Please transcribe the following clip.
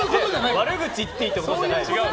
悪口言っていいってことじゃないです。